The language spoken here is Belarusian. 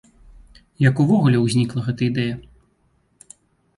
Як увогуле ўзнікла гэта ідэя?